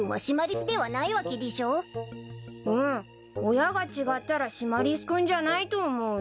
親が違ったらシマリス君じゃないと思うよ。